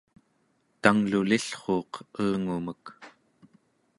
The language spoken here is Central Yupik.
tanglulillruuq elngumek